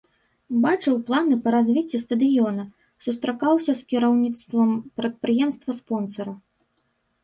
Бачыў планы па развіцці стадыёна, сустракаўся з кіраўніцтвам прадпрыемства-спонсара.